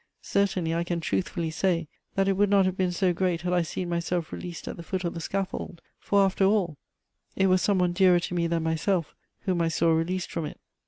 Certainly, I can truthfully say that it would not have been so great had I seen myself released at the foot of the scaffold; for, after all, it was some one dearer to me than myself whom I saw released from it."